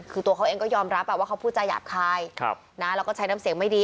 คือตัวเขาเองก็ยอมรับว่าเขาพูดจาหยาบคายแล้วก็ใช้น้ำเสียงไม่ดี